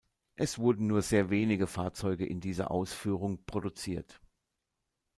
Es wurden nur sehr wenige Fahrzeuge in dieser Ausführung produziert.